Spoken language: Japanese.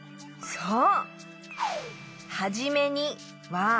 そう！